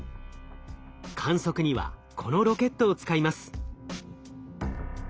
観測にはこのロケットを使います。